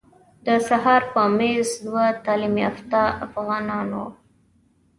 د سهار په میز دوه تعلیم یافته افغانان وو.